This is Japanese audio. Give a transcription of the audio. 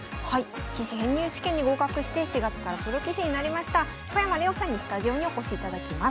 棋士編入試験に合格して４月からプロ棋士になりました小山怜央さんにスタジオにお越しいただきます。